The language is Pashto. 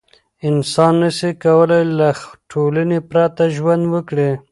انسان نسي کولای له ټولنې پرته ژوند وکړي.